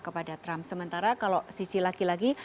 kepada trump sementara kalau sisi laki laki